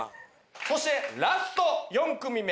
そしてラスト４組目。